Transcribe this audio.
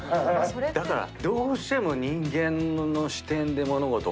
だからどうしても人間の視点で物事を考えちゃうけど。